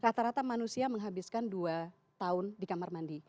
rata rata manusia menghabiskan dua tahun di kamar mandi